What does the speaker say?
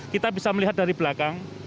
kita bisa melihat dari belakang